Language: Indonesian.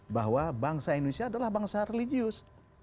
bahwa bangsa indonesia adalah bangsa religius